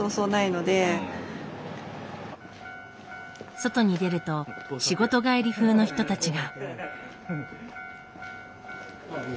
外に出ると仕事帰り風の人たちが。